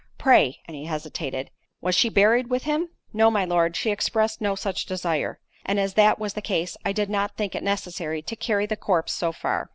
Pray (and he hesitated) was she buried with him?" "No, my Lord—she expressed no such desire; and as that was the case, I did not think it necessary to carry the corpse so far."